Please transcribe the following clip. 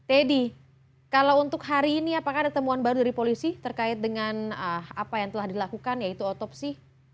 teddy kalau untuk hari ini apakah ada temuan baru dari polisi terkait dengan apa yang telah dilakukan yaitu otopsi